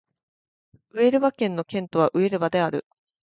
ウエルバ県の県都はウエルバである